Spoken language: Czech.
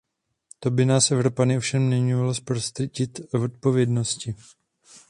To by nás Evropany ovšem nemělo zprostit odpovědnosti.